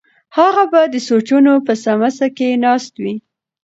هغه به د سوچونو په سمڅه کې ناست وي.